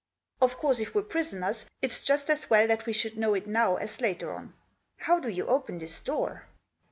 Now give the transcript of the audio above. " Of course if we're prisoners it's just as well that we should know it now as later on. How do you open this door?"